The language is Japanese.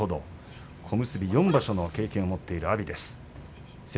小結の経験を持っている阿炎です。